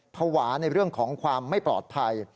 ภาวะในเรื่องของความไม่ปลอดภัย